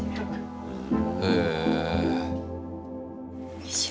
よいしょ。